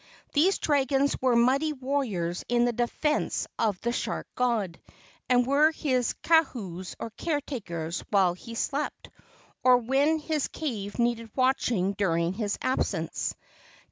These dragons were mighty warriors in the defence of the shark god, and were his kahus, or caretakers, while he slept, or when his cave needed watching during his absence.